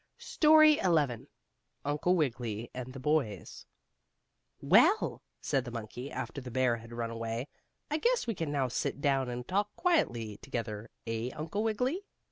STORY XI UNCLE WIGGILY AND THE BOYS "Well," said the monkey after the bear had run away. "I guess we can now sit down and talk quietly together; eh, Uncle Wiggily?"